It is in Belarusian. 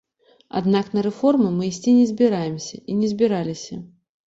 Аднак на рэформы мы ісці не збіраемся і не збіраліся.